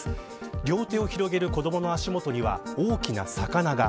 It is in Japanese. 両手を広げる子どもの足元には大きな魚が。